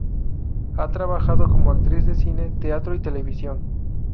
Ha trabajado como actriz de cine, teatro y televisión.